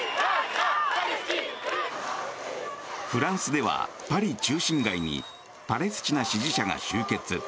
フランスではパリ中心街にパレスチナ支持者が集結。